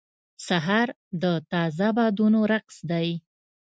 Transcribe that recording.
سهار د تازه بادونو رقص دی.